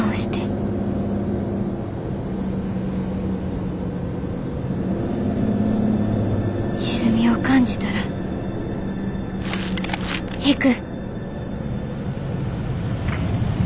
心の声沈みを感じたら引く。